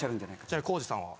じゃあ皇治さんは。